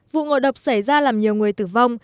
vụ ngộ độc xảy ra làm nhiều người tử vong